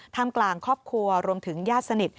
กลางครอบครัวรวมถึงญาติสนิท